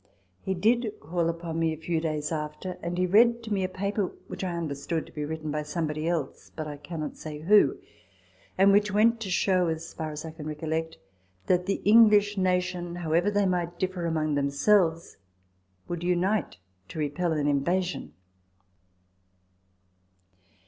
He did call upon me a few days after ; and he read to me a paper, which I understood to be written by somebody else, but I cannot say who ; and which went to show, as far as I can recollect, that the English nation, however they might differ among themselves, would unite to repel an invasion.